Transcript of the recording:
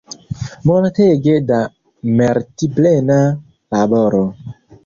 Multege da meritplena laboro!